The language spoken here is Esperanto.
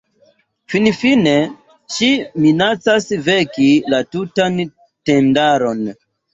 Finfine ŝi minacas veki la tutan tendaron.